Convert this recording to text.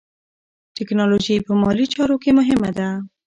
ټیکنالوژي په مالي چارو کې مهمه ده.